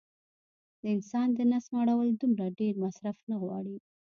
د انسان د نس مړول دومره ډېر مصرف نه غواړي